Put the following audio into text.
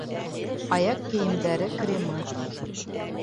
Аяҡ кейемдәре кремы